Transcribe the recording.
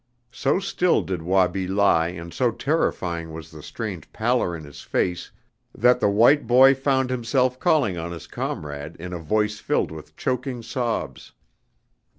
So still did Wabi lie and so terrifying was the strange pallor in his face that the white boy found himself calling on his comrade in a voice filled with choking sobs.